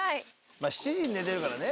まあ７時に寝てるからね。